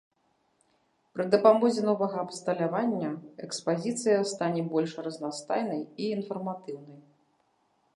Пры дапамозе новага абсталявання экспазіцыя стане больш разнастайнай і інфарматыўнай.